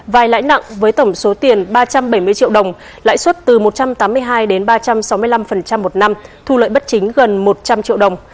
vai lãi nặng với tổng số tiền ba trăm bảy mươi triệu đồng lãi suất từ một trăm tám mươi hai đến ba trăm sáu mươi năm một năm thu lợi bất chính gần một trăm linh triệu đồng